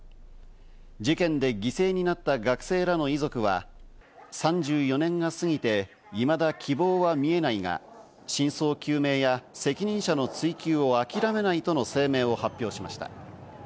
事件で犠牲になった学生らの遺族は、３４年が過ぎて、いまだ希望は見えないが、真相究明や責任者の追及を諦めないとの声明を発表しました。